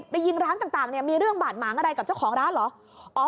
ไปยิงร้านต่างมีเรื่องบาดหมางอะไรกับเจ้าของร้านเหรอ